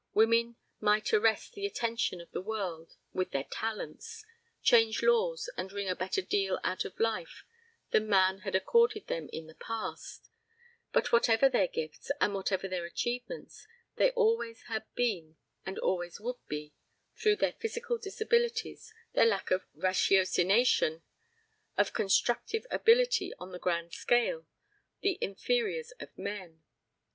Women might arrest the attention of the world with their talents, change laws and wring a better deal out of life than man had accorded them in the past, but whatever their gifts and whatever their achievements they always had been and always would be, through their physical disabilities, their lack of ratiocination, of constructive ability on the grand scale, the inferiors of men.